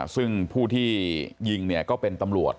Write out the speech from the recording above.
ซึ่งผู้ที่ยิงก็เป็นตำรวจ